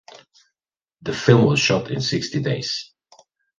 The film was shot in sixty days.